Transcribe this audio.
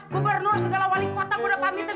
gubernur segala wali kota gue udah pamitin